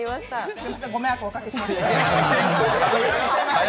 すいません、ご迷惑をおかけしました。